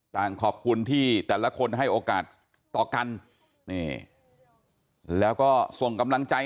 ต่างขอบคุณที่แต่ละคนให้โอกาสต่อกันนี่แล้วก็ส่งกำลังใจ